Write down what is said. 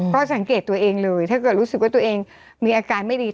ก็สังเกตตัวเองเลยถ้าเกิดรู้สึกว่าตัวเองมีอาการไม่ดี